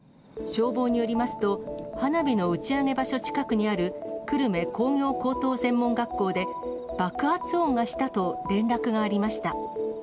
消防によりますと、花火の打ち上げ場所近くにある久留米工業高等専門学校で爆発音がしたと連絡がありました。